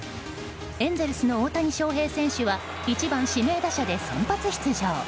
エンゼルスの大谷翔平選手は１番指名打者で先発出場。